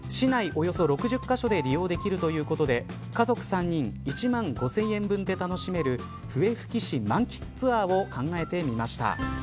およそ６０カ所で利用できるということで家族３人１万５０００円分で楽しめる笛吹市満喫ツアーを考えてみました。